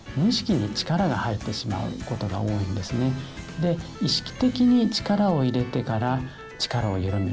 で意識的に力を入れてから力をゆるめる。